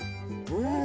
うん！